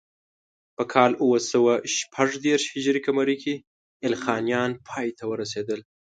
په کال اوه سوه شپږ دېرش هجري قمري کې ایلخانیان پای ته ورسېدل.